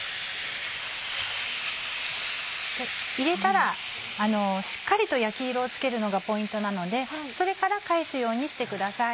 入れたらしっかりと焼き色をつけるのがポイントなのでそれから返すようにしてください。